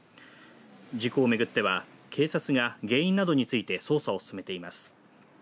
事故を巡っては警察が原因などについて捜査を進めています。